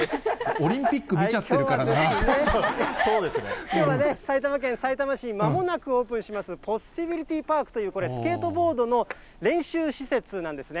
オリンピック見ちゃってるかきょうは埼玉県さいたま市にまもなくオープンします、ポッシビリティパークというスケートボードの練習施設なんですね。